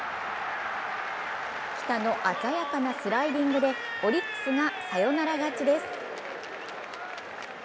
来田の鮮やかなスライディングでオリックスがサヨナラ勝ちです。